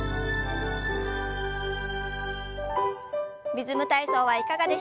「リズム体操」はいかがでしたか？